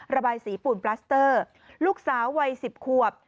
ระบายสีปูนปลาสเตอร์ลูกสาววัย๑๐ขวบ